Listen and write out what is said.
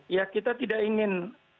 ya kita tidak ingin